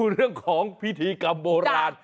เรื่องของพิธีกรรมโบราณ